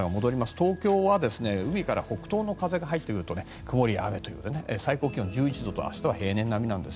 東京は海から北東の風が入ってくると曇りや雨ということで最高気温は１１度ということで明日は平年並みなんです。